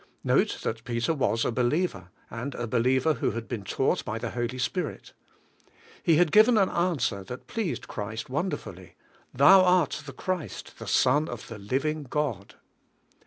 Note that Peter was a believer, and a believer who had been taught b}^ the Holy Spirit. He had given an answer that pleased Christ wonderfully: "Thou art the Christ, the Son of the living God."